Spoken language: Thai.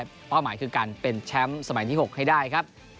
เป้าหมายคือการเป็นแชมป์สมัยที่๖ให้ได้ครับ